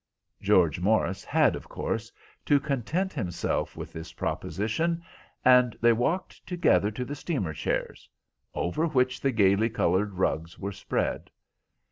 George Morris had, of course, to content himself with this proposition, and they walked together to the steamer chairs, over which the gaily coloured rugs were spread.